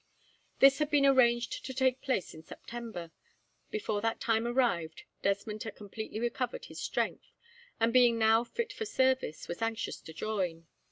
This had been arranged to take place in September. Before that time arrived, Desmond had completely recovered his strength, and being now fit for service, was anxious to join.